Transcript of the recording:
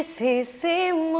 ku terbiasa disamaku